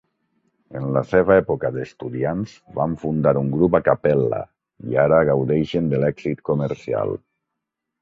En la seva època d'estudiants, van fundar un grup a capella i ara gaudeixen de l'èxit comercial.